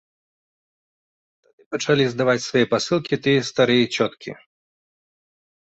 Тады пачалі здаваць свае пасылкі тыя старыя цёткі.